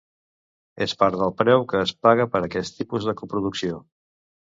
És part del preu que es paga per aquest tipus de coproducció.